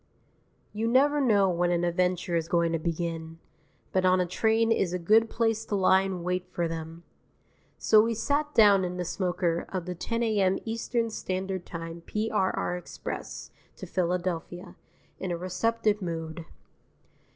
III You never know when an adventure is going to begin. But on a train is a good place to lie in wait for them. So we sat down in the smoker of the 10 A.M. Eastern Standard Time P.R.R. express to Philadelphia, in a receptive mood.